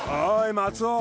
松尾